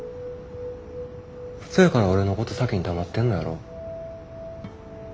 そやから俺のこと咲妃に黙ってんのやろ。